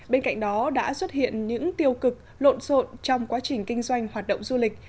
bên cạnh đó đã xuất hiện những tiêu cực lộn xộn trong quá trình kinh doanh hoạt động du lịch